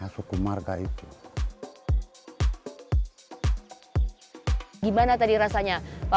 suku warga yang berada di bagian bawah